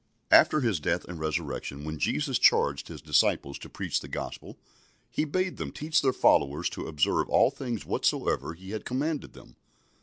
" After His death and resurrection, when Jesus charged His disciples to preach the Gospel, He bade them teach their followers to observe all things whatsoever He had commanded them.